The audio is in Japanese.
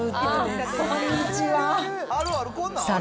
こんにちは。